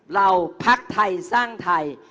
เราพรรคไทยสร้างไทย